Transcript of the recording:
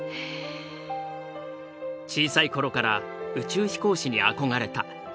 小さい頃から宇宙飛行士に憧れた。